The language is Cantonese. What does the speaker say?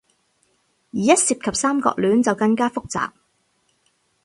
而一涉及三角戀，就更加複雜